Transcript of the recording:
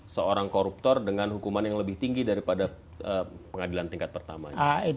seorang koruptor dengan hukuman yang lebih tinggi daripada pengadilan tingkat pertamanya